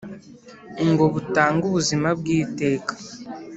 Ngo butange ubuzima bw iteka